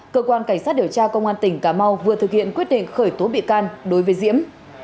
cơ quan cảnh sát điều tra công an tỉnh cà mau vừa thực hiện quyết định khởi tố bị can đối với diễm